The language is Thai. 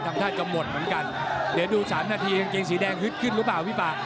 ทำท่าจะหมดเหมือนกันเดี๋ยวดูสามนาทีกางเกงสีแดงฮึดขึ้นหรือเปล่าพี่ป่า